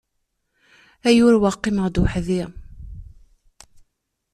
Ay urweɣ, qqimeɣ-d weḥd-i!